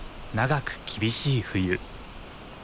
長く厳しい冬。